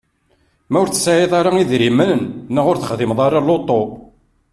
Ma ur tesɛiḍ ara idrimen neɣ ur texdimeḍ ara lutu.